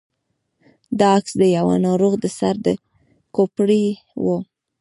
دا عکس د يوه ناروغ د سر د کوپړۍ و.